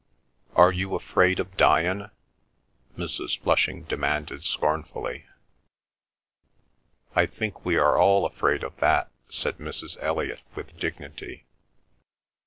"Are you afraid of dyin'?" Mrs. Flushing demanded scornfully. "I think we are all afraid of that," said Mrs. Elliot with dignity.